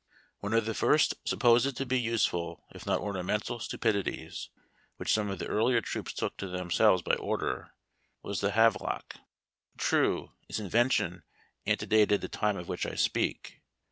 One of the first supposed to be useful, if not ornamental stupidities, which some of the earlier troops took to them selves by order, was the Havelock. True, its invention ante dated the time of which I speak.